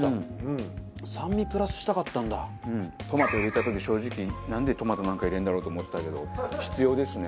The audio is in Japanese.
トマト入れた時正直なんでトマトなんか入れるんだろうと思ってたけど必要ですね。